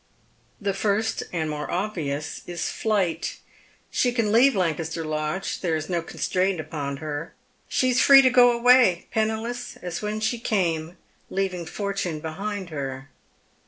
The first and more obvious is flight. She can leave Lancaster Lodge. There is no constraint upon her. Sho is free to go away, penniless as when she came, leaving fortune behind her.